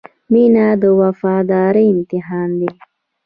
• مینه د وفادارۍ امتحان دی.